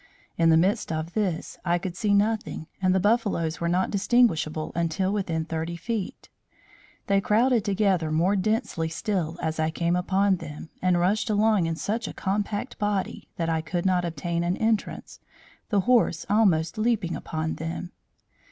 In the midst of this I could see nothing, and the buffaloes were not distinguishable until within thirty feet. They crowded together more densely still, as I came upon them, and rushed along in such a compact body that I could not obtain an entrance, the horse almost leaping upon them.